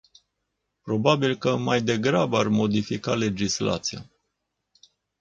Probabil că mai degrabă ar modifica legislația.